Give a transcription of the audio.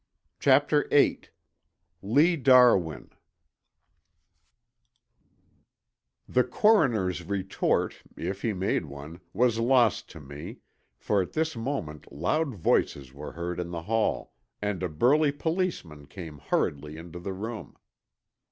CHAPTER VIII LEE DARWIN The coroner's retort, if he made one, was lost to me, for at this moment loud voices were heard in the hall and a burly policeman came hurriedly into the room.